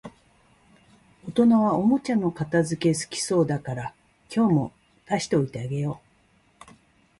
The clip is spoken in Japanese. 大人はおもちゃの片づけ好きそうだから、今日も出しておいてあげよう